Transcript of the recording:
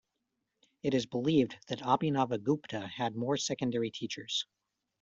It is believed that Abhinavagupta had more secondary teachers.